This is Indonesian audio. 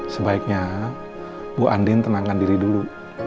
sebaiknya bu andin tenangkan diri dulu